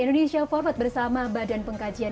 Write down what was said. indonesia forward bersama badan pengkajian